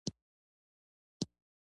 ایا نغدې به وي او که به بانډونه وي